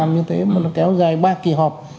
như thế mà nó kéo dài ba kỳ họp